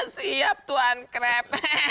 siap tuan kreb